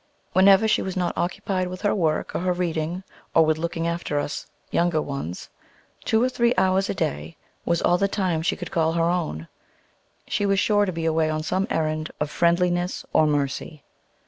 Whenever she was not occupied with her work or her reading, or with looking after us younger ones, two or three hours a day was all the time she could call her own, she was sure to be away on some errand of friendliness or mercy.